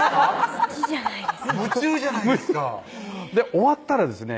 好きじゃないですか夢中じゃないですか終わったらですね